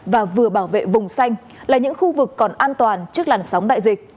và vừa bảo vệ vùng xanh là những khu vực còn an toàn trước làn sóng đại dịch